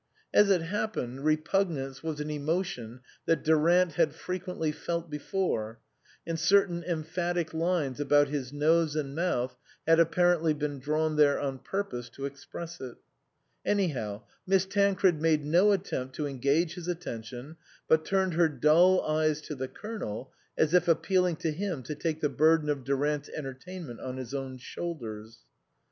(As it happened, repugnance was an emo tion that Durant had frequently felt before, and certain emphatic lines about his nose and mouth had apparently been drawn there on purpose to express it.) Anyhow Miss Tancred made no attempt to engage his attention, but turned her dull eyes to the Colonel, as if appealing to him to take the burden of Durant's entertainment on his own shoulders.